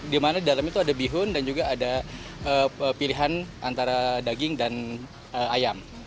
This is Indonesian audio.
di mana di dalam itu ada bihun dan juga ada pilihan antara daging dan ayam